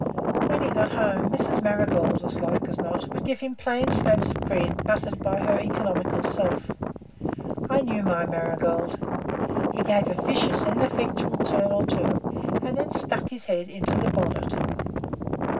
When he got home Mrs. Marigold, as like as not, would give him plain slabs of bread buttered by her economical self. I knew my Marigold. He gave a vicious and ineffectual turn or two and then stuck his head in the bonnet.